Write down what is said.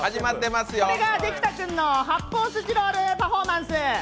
これができたくんの発泡スチロールパフォーマンス。